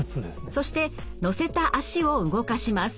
そして乗せた脚を動かします。